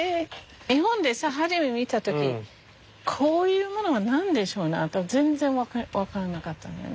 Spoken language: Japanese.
日本で初め見た時「こういうものは何でしょうな？」と全然分からなかったんよね。